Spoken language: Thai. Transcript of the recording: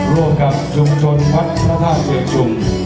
ร่วมกับชุมชนวัฒนธรรมเชิงชุม